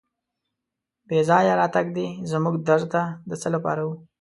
بې ځایه راتګ دې زموږ در ته د څه لپاره و.